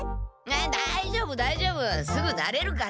だいじょうぶだいじょうぶすぐなれるから。